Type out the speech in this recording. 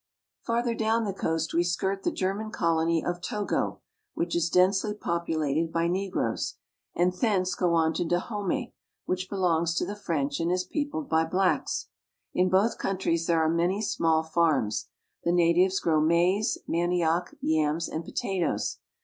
Farther down the coast we skirt the German colony of Togo (to' go), which is densely populated by negroes; LAGOS — A VISIT TO A WEST AFRICAN FACTORY 207 D zad thence go on to Dahomey, which belongs to ^the f French and is peopled by blacks. In both countries there are many small farms. The natives grow maize, manioc, yams, and potatoes.